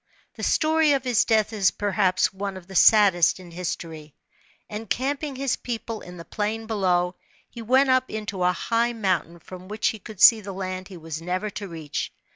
The story of his death is perhaps one of the saddest in history. Encamping his people in the plain below, he went up into a high mountain *rom which he could see the land he was never to reach.